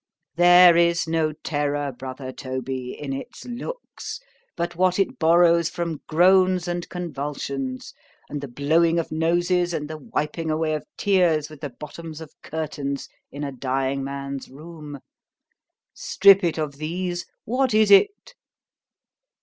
There is no terrour, brother Toby, in its looks, but what it borrows from groans and convulsions—and the blowing of noses and the wiping away of tears with the bottoms of curtains, in a dying man's room.—Strip it of these, what is it?